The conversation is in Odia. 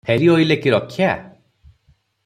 ଫେରି ଅଇଲେ କି ରକ୍ଷା?